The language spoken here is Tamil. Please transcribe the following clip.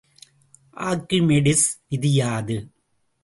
ஆர்க்கிமெடிஸ் விதி யாது?